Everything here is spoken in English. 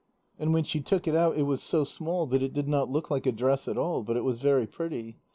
And when she took it out, it was so small that it did not look like a dress at all, but it was very pretty.